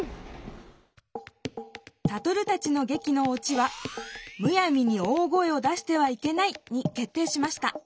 サトルたちの劇の「落ち」は「むやみに大声を出してはいけない」にけっていしました。